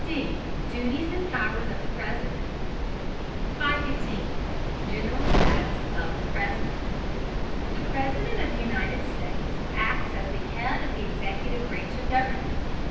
B. DUTIES AND POWERS OP THE PRESIDENT 515. GENERAL STATUS OF THE PRESIDENT The President of the United States acts as the head of the executive branch of government.